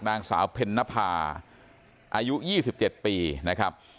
นางสาวเพ็ญนภาอายุ๒๗ปีนะครับ